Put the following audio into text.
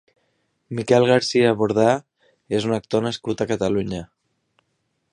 Miquel García Bordá és un actor nascut a Catalunya.